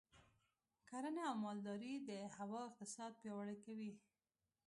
کرنه او مالداري د هیواد اقتصاد پیاوړی کوي.